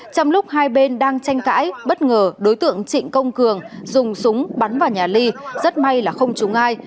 trong lúc hai bên đang tranh cãi bất ngờ đối tượng trịnh công cường dùng súng bắn vào nhà ly rất may là không trúng ai